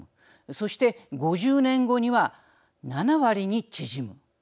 そして、５０年後には７割に縮む。